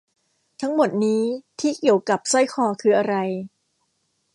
ทั้งหมดนี้ที่เกี่ยวกับสร้อยคอคืออะไร